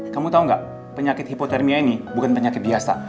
kamu tahu nggak penyakit hipotermia ini bukan penyakit biasa